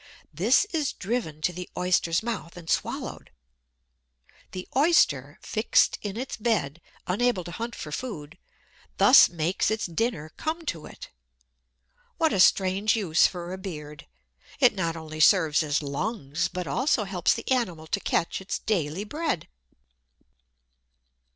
This is driven to the Oyster's mouth and swallowed. The Oyster, fixed in its "bed," unable to hunt for food, thus makes its dinner come to it. What a strange use for a "beard"! It not only serves as lungs, but also helps the animal to catch its "daily bread"!